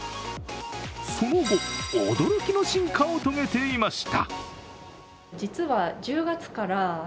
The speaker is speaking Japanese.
その後、驚きの進化を遂げていました。